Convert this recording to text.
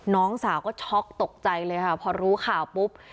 น้องสาวก็ช็อกตกใจเลยค่ะพอรู้ข่าวปุ๊บ